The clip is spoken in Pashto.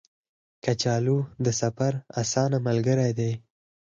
کچالو د سفر اسانه ملګری دی